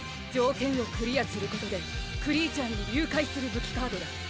条件をクリアすることでクリーチャーに龍解する武器カードだ。